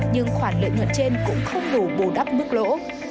nhưng khoản lợi nhuận trên cũng không đủ bù đắp mức lỗ